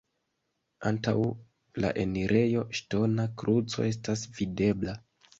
Antaŭ la enirejo ŝtona kruco estas videbla.